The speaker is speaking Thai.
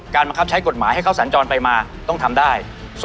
บังคับใช้กฎหมายให้เขาสัญจรไปมาต้องทำได้